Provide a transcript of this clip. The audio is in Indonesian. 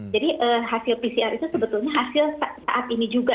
jadi hasil pcr itu sebetulnya hasil saat ini juga